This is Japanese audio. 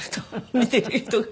見てる人が。